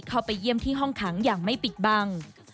เข้าไปเยี่ยมที่ห้องขังอย่างไม่ปิดบัง